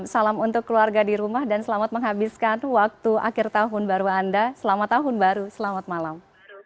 salam untuk keluarga di rumah dan selamat menghabiskan waktu akhir tahun baru anda selamat tahun baru selamat malam